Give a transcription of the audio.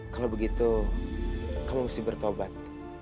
kalau begitu kamu mesti bertobat